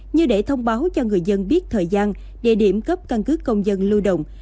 như để thông báo cho người dân biết thời gian địa điểm cấp căn cứ công dân lưu động